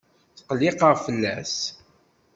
Tqelliqeɣ fell-as.